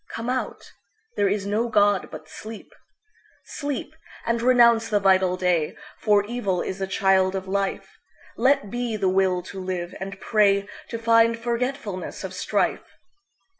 Come out; there is no God but Sleep.Sleep, and renounce the vital day; For evil is the child of life. Let be the will to live, and prayTo find forgetfulness of strife.